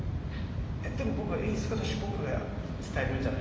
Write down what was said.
「えっでも僕は演出家だし僕が伝えるんじゃないの？」。